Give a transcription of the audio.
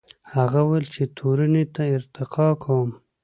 هغه وویل چې تورنۍ ته ارتقا کوم.